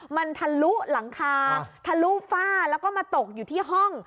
มันทะลุหลังคาทะลุฝ้าแล้วก็มาตกอยู่ที่ห้อง